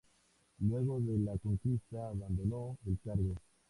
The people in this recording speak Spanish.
Luego de la conquista abandonó el cargo.